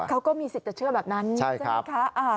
เขาก็มีสิทธิ์จะเชื่อแบบนั้นใช่ไหมคะ